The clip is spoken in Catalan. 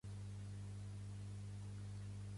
Dir-me els supermercats més assequibles de Bellvitge.